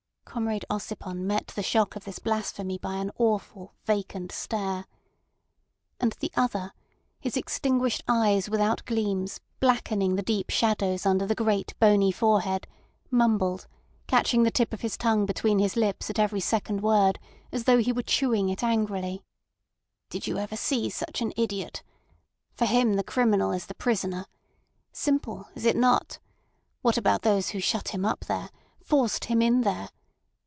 Comrade Ossipon met the shock of this blasphemy by an awful, vacant stare. And the other, his extinguished eyes without gleams blackening the deep shadows under the great, bony forehead, mumbled, catching the tip of his tongue between his lips at every second word as though he were chewing it angrily: "Did you ever see such an idiot? For him the criminal is the prisoner. Simple, is it not? What about those who shut him up there—forced him in there?